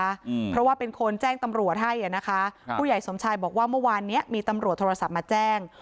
อืมเพราะว่าเป็นคนแจ้งตำรวจให้อ่ะนะคะครับผู้ใหญ่สมชายบอกว่าเมื่อวานเนี้ยมีตำรวจโทรศัพท์มาแจ้ง